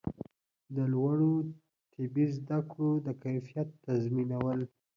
د لوړو طبي زده کړو د کیفیت تضمینول